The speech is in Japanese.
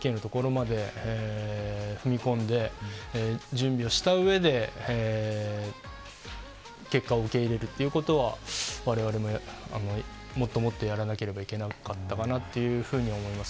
まずは勝つ確率を上げるためにＰＫのところまで踏み込んで準備をした上で結果を受け入れるということはわれわれも、もっともっとやらなければいけなかったかなというふうに思います。